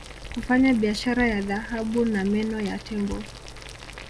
kufanya biashara ya dhahabu na meno ya tembo